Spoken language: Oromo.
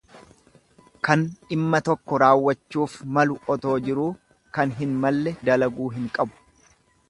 Kan dhimma tokko raawwachuuf malu otoo jiruu kan hin malle dalaguu hin qabu.